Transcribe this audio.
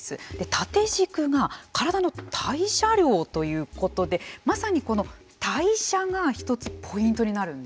縦軸が体の代謝量ということでまさにこの代謝が一つポイントになるんですね。